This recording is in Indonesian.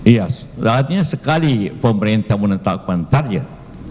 iya saatnya sekali pemerintah menetapkan target